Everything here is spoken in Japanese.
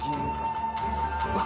うわ